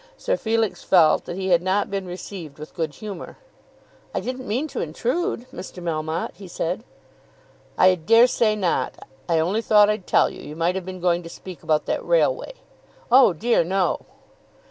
Sir Felix felt that he had not been received with good humour. "I didn't mean to intrude, Mr. Melmotte," he said. "I dare say not. I only thought I'd tell you. You might have been going to speak about that railway." "Oh dear no."